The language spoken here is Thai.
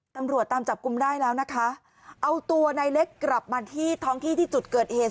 ตำรวจตามจับกลุ่มได้แล้วนะคะเอาตัวในเล็กกลับมาที่ท้องที่ที่จุดเกิดเหตุ